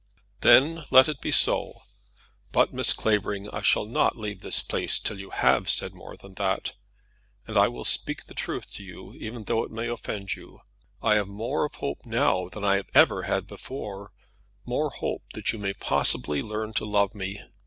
"Then let it be so. But, Miss Clavering, I shall not leave this place till you have said more than that. And I will speak the truth to you, even though it may offend you. I have more of hope now than I have ever had before, more hope that you may possibly learn to love me.